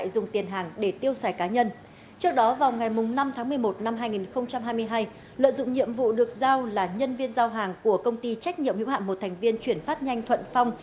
đã xét nhiệm hiệu hạm một thành viên chuyển phát nhanh thuận phong